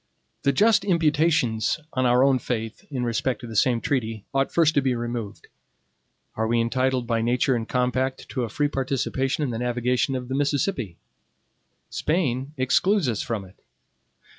The just imputations on our own faith, in respect to the same treaty, ought first to be removed. Are we entitled by nature and compact to a free participation in the navigation of the Mississippi? Spain excludes us from it.